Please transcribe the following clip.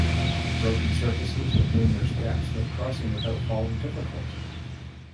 Broken surfaces with numerous gaps make crossing without falling difficult.